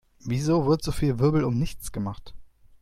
Wieso wird so viel Wirbel um nichts gemacht?